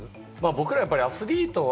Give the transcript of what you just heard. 僕らアスリートは